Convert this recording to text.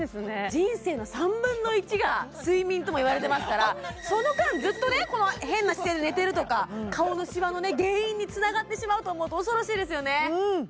人生の３分の１が睡眠ともいわれてますからその間ずっとね変な姿勢で寝てるとか顔のシワのね原因につながってしまうと思うと恐ろしいですよね